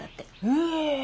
へえ。